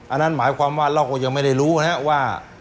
อันนั้นหมายความว่าเราก็ยังไม่ได้รู้นะครับว่า